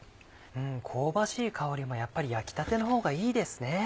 香ばしい香りもやっぱり焼きたての方がいいですね。